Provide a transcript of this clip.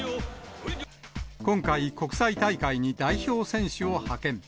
今回、国際大会に代表選手を派遣。